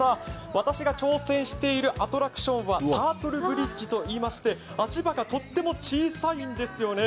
私が挑戦しているアトラクションはタートルブリッジといいまして、足場がとっても小さいんですよね。